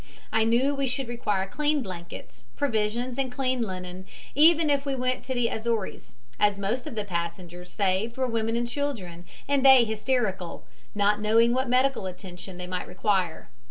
I knew we should require clean blankets, provisions and clean linen, even if we went to the Azores, as most of the passsengers saved were women and children, and they hysterical, not knowing what medical attention they might require.